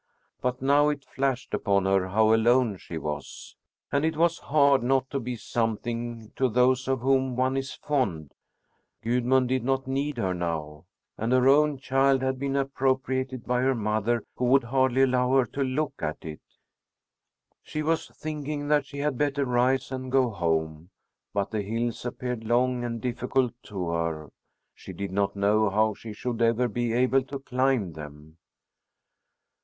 But now it flashed upon her how alone she was. And it was hard not to be something to those of whom one is fond. Gudmund did not need her now, and her own child had been appropriated by her mother, who would hardly allow her to look at it. She was thinking that she had better rise and go home, but the hills appeared long and difficult to her. She didn't know how she should ever be able to climb them.